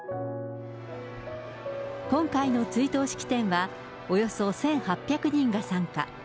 今回の追悼式典はおよそ１８００人が参加。